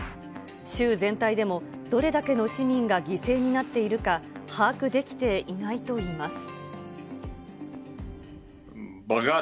州全体でもどれだけの市民が犠牲になっているか、把握できていないといいます。